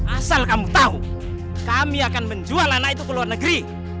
asal kamu tahu kami akan menjual anak itu ke luar negeri